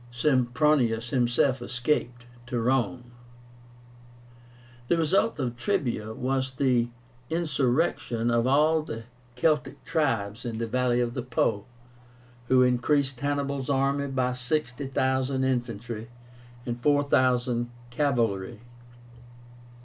Sempronius himself escaped to Rome. The result of TREBIA was the insurrection of all the Celtic tribes in the valley of the Po, who increased Hannibal's army by 60,000 infantry and 4,000 cavalry.